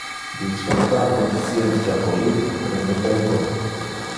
Disveloppar conscientia politic prende tempore.